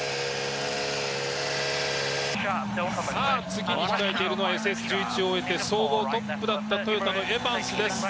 次に控えているのはＳＳ１１を終えて総合トップだったトヨタのエバンスです。